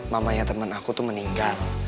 mamanya teman aku tuh meninggal